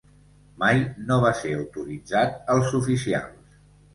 Mai no va ser autoritzat als oficials.